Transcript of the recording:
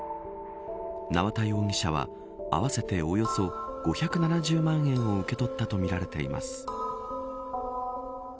縄田容疑者は合わせておよそ５７０万円を受け取ったとみられています。